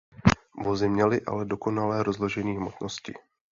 Vozy měly ale dokonalé rozložení hmotnosti.